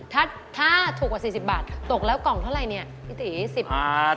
ถ้าถูกกว่า๔๐บาทตกแล้วกล่องเท่าไรเนี่ยพี่ตี๑๐บาท